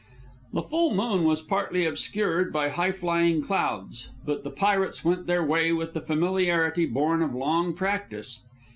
The full moon was partly obscured by high flying clouds, but the pirates went their way with the familiarity born of long practice.